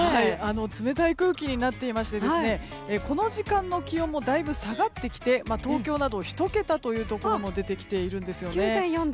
冷たい空気になっていてこの時間の気温もだいぶ下がってきて東京など、１桁というところも出てきているんですよね。